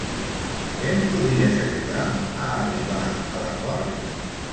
Que em podries ajudar a arribar a l'acord?